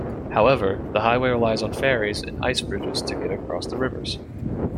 However, the highway relies on ferries and ice bridges to get across the rivers.